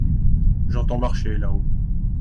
J’entends marcher là-haut…